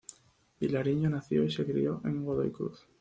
Vilariño nació y se crio en Godoy Cruz.